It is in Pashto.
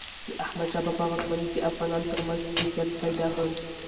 د احمد شاه بابا واکمني د افغانانو ترمنځ عزت پیدا کړ.